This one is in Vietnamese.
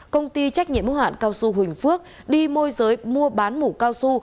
công ty trách nhiệm hữu hạn cao su huỳnh phước đi môi giới mua bán mũ cao su